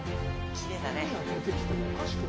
きれいだね。